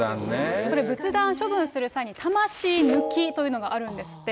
これ、仏壇処分する際に、魂抜きというのがあるんですって。